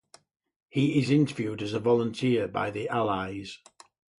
He is interviewed as a volunteer by the allies.